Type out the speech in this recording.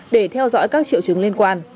để theo dõi các triệu chứng liên quan